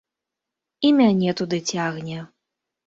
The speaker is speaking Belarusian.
І мяне туды цягне.